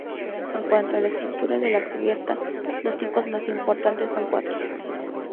En cuanto a la estructura de la cubierta, los tipos más importantes son cuatro.